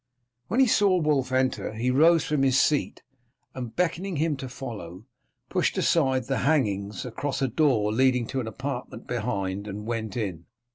When he saw Wulf enter he rose from his seat, and, beckoning to him to follow, pushed aside the hangings across a door leading to an apartment behind and went in.